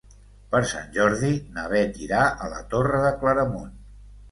Per Sant Jordi na Beth irà a la Torre de Claramunt.